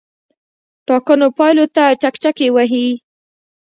ټاکنو پایلو ته چکچکې وهي.